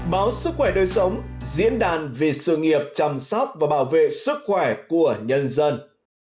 báo sức khỏe đời sống diễn đàn vì sự nghiệp chăm sóc và bảo vệ sức khỏe của nhân dân